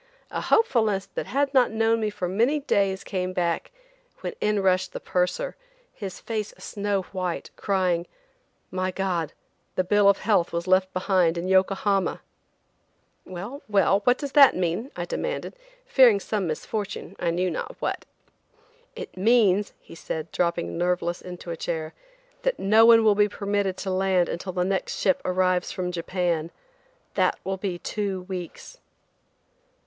A hopefulness that had not known me for many days came back, when in rushed the purser, his face a snow white, crying: "My God, the bill of health was left behind in Yokohama." "Well–well–what does that mean?" I demanded, fearing some misfortune, I knew not what. "It means," he said, dropping nerveless into a chair, "that no one will be permitted to land until the next ship arrives from Japan. That will be two weeks."